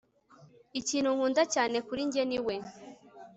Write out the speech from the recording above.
ikintu nkunda cyane kuri njye ni we